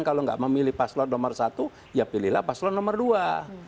kalau nggak memilih paslon nomor satu ya pilihlah paslon nomor dua